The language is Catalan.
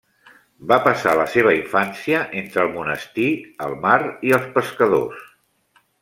Va passar la seva infància entre el monestir, el mar i els pescadors.